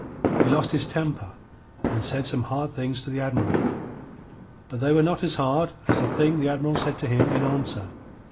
He lost his temper, and said some hard things to the Admiral. But they were not as hard as the thing the Admiral said to him in answer.